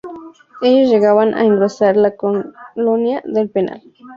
Estos llegaban a engrosar la colonia del penal.